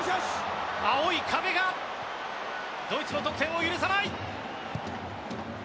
青い壁がドイツの得点を許さない。